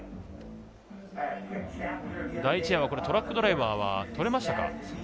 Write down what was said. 第１エアはトラックドライバーはとれましたか？